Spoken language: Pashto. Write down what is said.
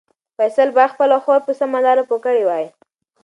فیصل باید خپله خور په سمه لاره پوه کړې وای.